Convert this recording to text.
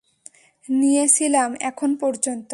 নিয়ে ছিলাম, এখন পর্যন্ত।